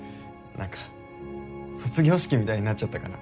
なんか卒業式みたいになっちゃったかな。